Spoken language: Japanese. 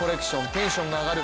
テンションが上がる